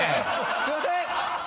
すいません！